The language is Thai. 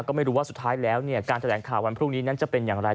ก็ไม่รู้ว่าสุดท้ายแล้วการแถลงข่าววันพรุ่งนี้นั้นจะเป็นอย่างไร